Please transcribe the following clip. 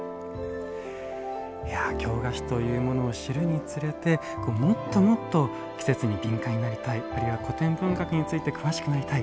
京菓子というものを知るにつれてもっともっと季節に敏感になりたいあるいは古典文学について詳しくなりたい。